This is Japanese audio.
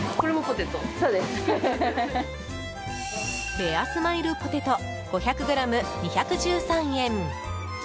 ベアスマイルポテト５００ｇ２１３円。